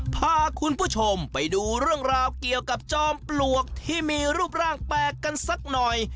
พาคุณผู้ชมไปดูเรื่องราวเกี่ยวกับจอมปลวกที่มีรูปร่างแปลกกันสักหน่อย